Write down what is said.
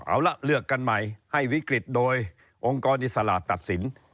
เอาละเลือกกันใหม่ให้วิกฤตโดยองค์กรอิสระตัดสิน